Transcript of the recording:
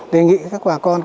đề nghị các bà con